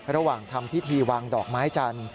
ระหว่างทำพิธีวางดอกไม้จันทร์